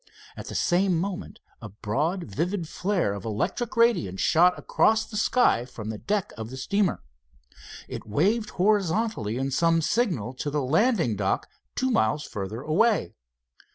At the same moment a broad vivid flare of electric radiance shot across the sky from the deck of the steamer. It waved horizontally in some signal to the landing dock two miles further away.